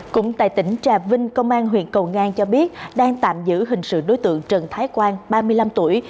cũng tại tỉnh trà vinh công an huyện cầu ngang cho biết đang tạm giữ hình sự đối tượng trần thái quang ba mươi năm tuổi